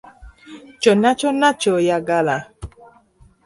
Kyonna kyonna ky’oyagala.